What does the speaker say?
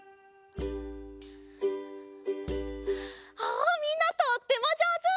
おおみんなとってもじょうず！